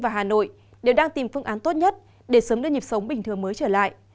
và hà nội đều đang tìm phương án tốt nhất để sớm đưa nhịp sống bình thường mới trở lại